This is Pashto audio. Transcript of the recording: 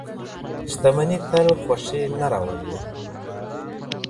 شتمني تل خوښي نه راولي.